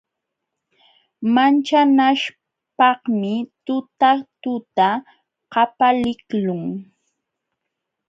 Manchanaśhpaqmi tutatuta qapaliqlun.